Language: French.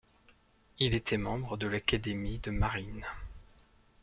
Il était membre de l'Académie de Marine.